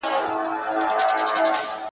د دې نوي کفن کښ نوې نخره وه٫